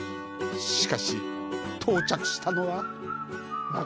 しかし、到着したのは。